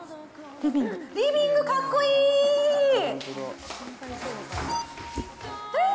リビングかっこいいー。